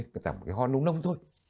tạo một cái ho nông nông thôi